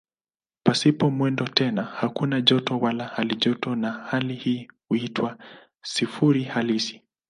Pasipo mwendo tena hakuna joto wala halijoto na hali hii huitwa "sifuri halisi".